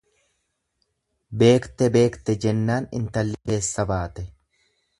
Beekte beekte jennaan intalli keessa baate.